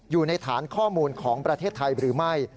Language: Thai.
อยู่ในฐานข้อมูลของประเทศไทยหรือไม่